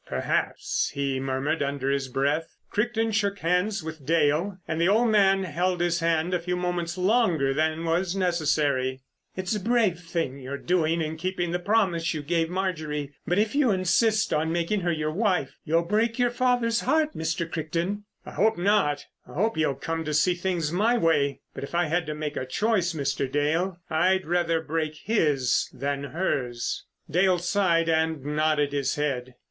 "Perhaps," he murmured under his breath. Crichton shook hands with Dale, and the old man held his hand a few moments longer than was necessary. "It's a brave thing you're doing in keeping the promise you gave Marjorie; but if you insist on making her your wife, you'll break your father's heart, Mr. Crichton." "I hope not. I hope he'll come to see things my way. But if I had to make a choice, Mr. Dale, I'd rather break his than hers." Dale sighed and nodded his head.